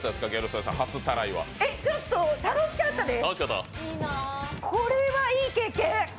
ちょっと楽しかったです！